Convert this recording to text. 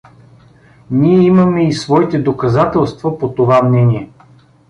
Ние имаме и своите доказателства по това мнение.